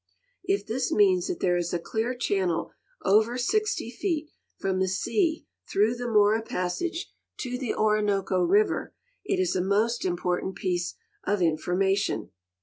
If this means that there is a clear channel over 60 feet from the sea through the iMora passage to the Orinoco river, it is a most important piece of infor mation.